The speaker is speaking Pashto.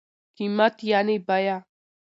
قيمت √ بيه